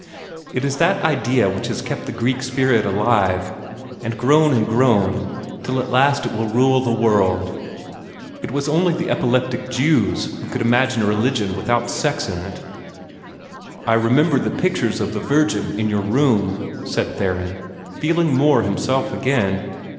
It is that idea which has kept the Greek spirit alive, and grown and grown, till at last it will rule the world. It was only epileptic Jews who could imagine a religion without sex in it." "I remember the pictures of the Virgin in your room," said Theron, feeling more himself again.